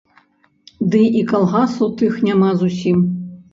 Ды і калгасаў тых няма зусім.